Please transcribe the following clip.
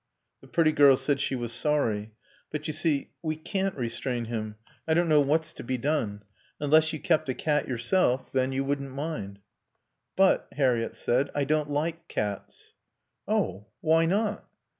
The pretty girl said she was sorry. "But, you see, we can't restrain him. I don't know what's to be done.... Unless you kept a cat yourself; then you won't mind." "But," Harriett said, "I don't like cats." "Oh, why not?"